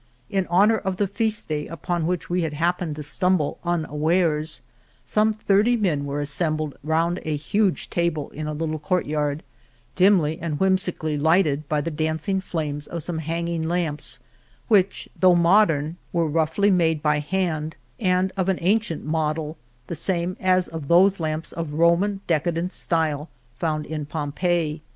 In honor of the feast day upon which we had happened to stumble un awares, some thirty men were assembled round a huge table in the little courtyard, dimly and whimsically lighted by the dancing flames of some hanging lamps which though modern were roughly made by hand and of El Toboso ^>fe^ an ancient model, the same as of those lamps of Roman decadent style found in Pom peii.